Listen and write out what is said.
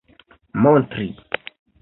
montri